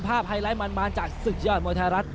ภาพไฮไลท์มานจากศึกยอดมวยเทรัฐ